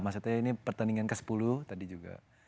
maksudnya ini pertandingan ke sepuluh tadi juga